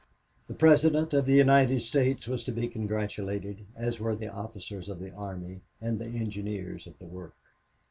The President of the United States was to be congratulated, as were the officers of the army, and the engineers of the work.